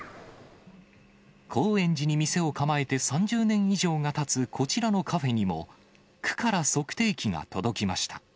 高円寺に店を構えて３０年以上がたつこちらのカフェにも、区から測定器が届きました。